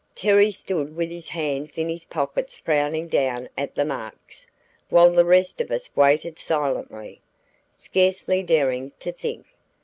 Terry stood with his hands in his pockets frowning down at the marks, while the rest of us waited silently, scarcely daring to think.